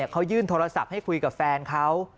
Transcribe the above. เขายื่นโทรศัพท์ให้คุยกับแฟนเขา